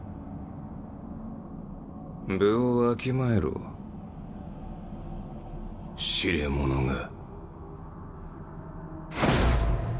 分をわきまえろ痴れ者が。